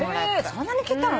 そんなに切ったの？